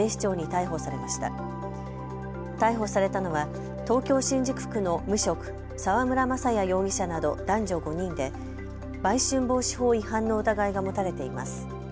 逮捕されたのは東京新宿区の無職、澤村雅也容疑者など男女５人で売春防止法違反の疑いが持たれています。